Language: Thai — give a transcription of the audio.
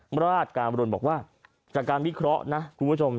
ราชการบรุณบอกว่าจากการวิเคราะห์นะคุณผู้ชม